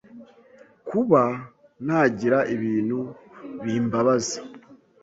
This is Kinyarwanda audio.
kuba nagira ibintu bimbabaza